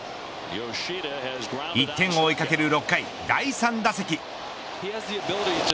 １点を追いかける６回第３打席。